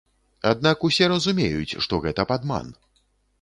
Аднак усе разумеюць, што гэта падман.